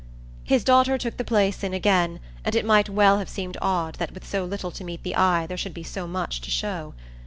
His daughter took the place in again, and it might well have seemed odd that with so little to meet the eye there should be so much to show.